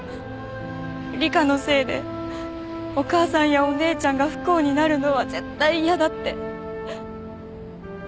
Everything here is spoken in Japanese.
理香のせいでお母さんやお姉ちゃんが不幸になるのは絶対嫌だって。